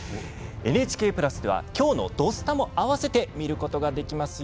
ＮＨＫプラスでは今日の「土スタ」もあわせて見ることができますよ。